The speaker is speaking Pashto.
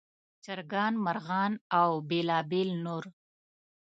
چرګان، مرغان او بېلابېل نور.